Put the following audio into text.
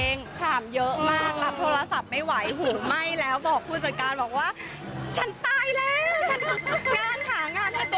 งานคางานให้ตัวเอง